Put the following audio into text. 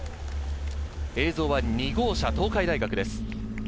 映像は２号車、東海大学です。